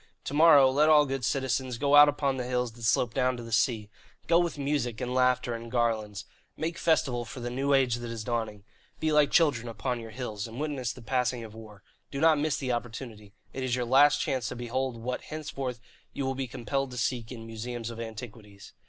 "To morrow let all good citizens go out upon the hills that slope down to the sea. Go with music and laughter and garlands. Make festival for the new age that is dawning. Be like children upon your hills, and witness the passing of war. Do not miss the opportunity. It is your last chance to behold what henceforth you will be compelled to seek in museums of antiquities.